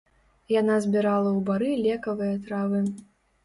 Яна збірала ў бары лекавыя травы.